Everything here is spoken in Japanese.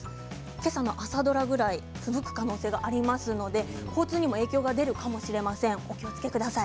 今朝の朝ドラぐらい、ふぶく可能性がありますので、交通にも影響が出るかもしれませんお気をつけください。